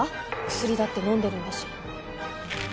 薬だって飲んでるんだし。